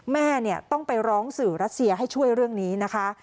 แม่ต้องไปร้องสื่อรัสเซียให้ช่วยเรื่องนี้นะคะ